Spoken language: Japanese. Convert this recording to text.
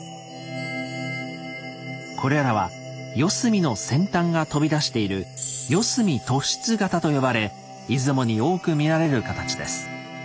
これらは四隅の先端が飛び出している「四隅突出型」と呼ばれ出雲に多く見られる形です。